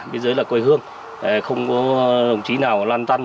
biên giới là quê hương không có đồng chí nào lan tăn